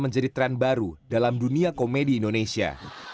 menjadi tren baru dalam dunia komedi indonesia